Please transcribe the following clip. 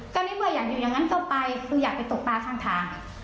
ก็นึกว่าอยากอยู่อย่างนั้นก็ไปคืออยากไปตกปลาข้างทาง